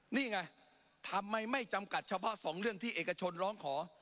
นี่ไงทำไมไม่จำกัดเฉพาะสองเรื่องที่เอกชนร้องขอ